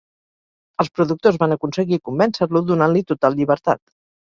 Els productors van aconseguir convèncer-lo donant-li total llibertat.